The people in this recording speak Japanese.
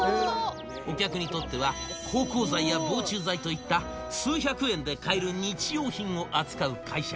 お客にとっては芳香剤や防虫剤といった、数百円で買える日用品を扱う会社。